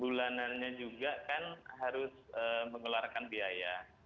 bulanannya juga kan harus mengeluarkan biaya